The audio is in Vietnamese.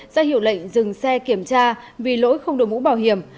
ra hiểu lệnh dừng xe kiểm tra vì lỗi không đồ mũ bảo hiểm